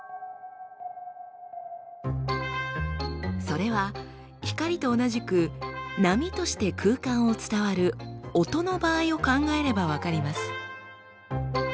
それは光と同じく波として空間を伝わる音の場合を考えれば分かります。